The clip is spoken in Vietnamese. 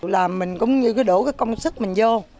làm mình cũng như đổ công sức mình vô